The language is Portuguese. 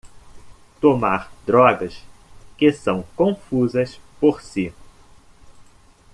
Tomar drogas que são confusas por si